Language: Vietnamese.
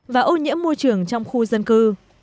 và ô nhiễm môi trường trong khu dân cư